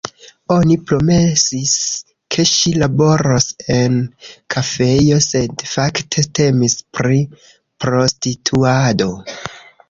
Oni promesis, ke ŝi laboros en kafejo, sed fakte temis pri prostituado.